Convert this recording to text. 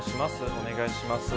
お願いします。